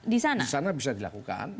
di sana bisa dilakukan